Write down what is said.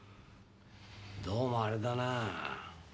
どうもあれだなぁ。